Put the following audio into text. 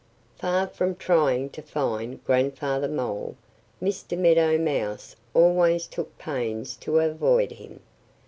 Far from trying to find Grandfather Mole, Mr. Meadow Mouse always took pains to avoid him.